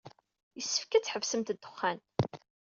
Yessefk ad tḥebsemt ddexxan.